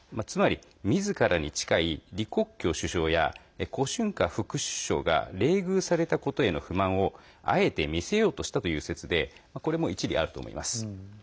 つまり、みずからに近い李克強首相や胡春華副首相が冷遇されたことへの不満をあえて見せようとしたという説でこれも一理あると思います。